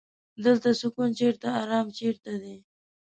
دلته سکون چرته ارام چرته دی.